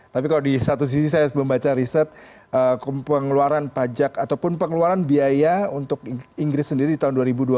tapi kalau di satu sisi saya membaca riset pengeluaran pajak ataupun pengeluaran biaya untuk inggris sendiri di tahun dua ribu dua puluh